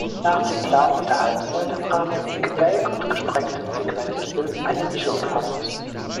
Nach dem Plan mit Halbsäulen-Rahmung, Gebälk und gesprengtem Segmentgiebel, eine Nische umfassend.